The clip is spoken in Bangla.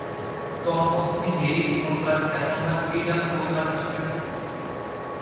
তন্মধ্যে মেরি’র পরিবার খ্যাতনামা ক্রীড়া পরিবার হিসেবে পরিচিত।